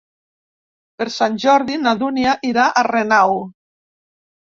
Per Sant Jordi na Dúnia irà a Renau.